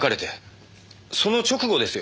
その直後ですよ